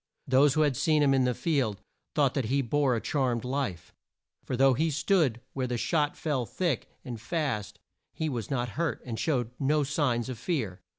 Those who had seen him in the field thought that he bore a charmed life, for though he stood where the shot fell thick and fast he was not hurt, and showed no signs of fear.